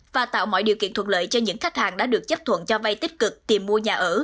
và tạo mọi điều kiện thuận lợi cho những khách hàng đã được chấp thuận cho vay tích cực tìm mua nhà ở